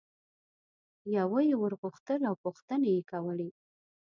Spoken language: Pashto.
یوه یي ور غوښتل او پوښتنې یې کولې.